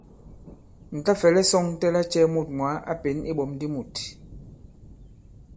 Ǹ ta-fɛ̀lɛ sɔ̄ŋtɛ lacɛ̄ mût mwǎ a pěn iɓɔ̀m di mût!